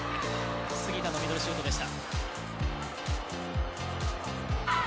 杉田のミドルシュートでした。